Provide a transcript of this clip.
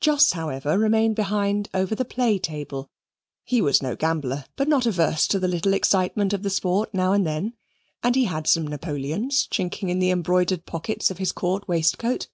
Jos, however, remained behind over the play table; he was no gambler, but not averse to the little excitement of the sport now and then, and he had some Napoleons chinking in the embroidered pockets of his court waistcoat.